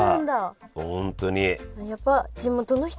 本当に。